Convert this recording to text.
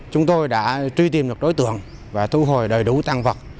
chúng tôi đã truy tìm được đối tượng và thu hồi đầy đủ tăng vật